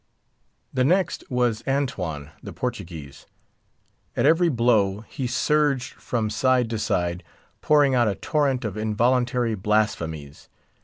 The next was Antone, the Portuguese. At every blow he surged from side to side, pouring out a torrent of involuntary blasphemies.